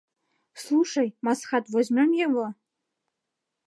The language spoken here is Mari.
Слушай, Масхад, возьмём его?